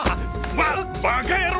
ババカ野郎！